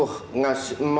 mbak krisin ngasih sesuatu